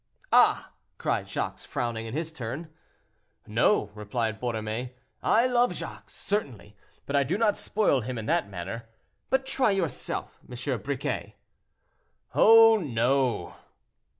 "Ah!" cried Jacques, frowning in his turn. "No," replied Borromée, "I love Jacques, certainly, but I do not spoil him in that manner. But try yourself, M. Briquet." "Oh, no."